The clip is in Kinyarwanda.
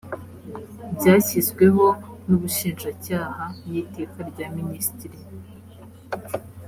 byashyizweho n ubushinjacyaha n iteka rya minisitiri